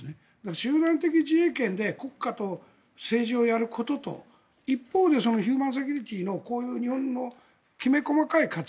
集団的自衛権で国家と政治をやることと一方でヒューマンセキュリティーのこういう日本のきめ細かい価値